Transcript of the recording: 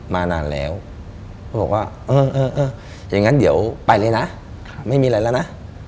อย่างนั้นไปเลยนะไม่มีอะไรแล้วนะ